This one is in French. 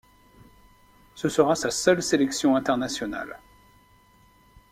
Ce sera sa seule sélection internationale.